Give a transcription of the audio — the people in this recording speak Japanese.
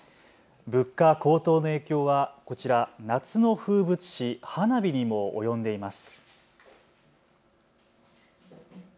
物価高騰の影響はこちら、夏の風物詩、花火にも及んでいます。